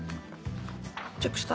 チェックした？